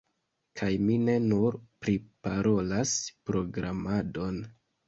Kaj mi ne nur priparolas programadon